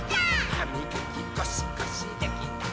「はみがきゴシゴシできたかな？」